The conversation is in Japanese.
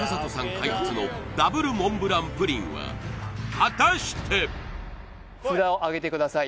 開発のＷモンブランプリンは果たして札をあげてください